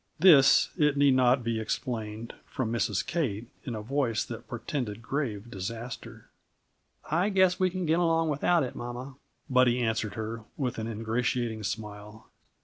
This, it need not be explained, from Mrs. Kate, in a voice that portended grave disaster. "I guess we can get along without it, mamma," Buddy answered her, with an ingratiating smile.